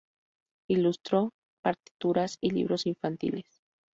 Ilustró partituras y libros infantiles.